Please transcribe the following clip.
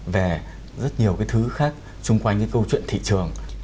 về rất nhiều cái thứ khác xung quanh cái câu chuyện thị trường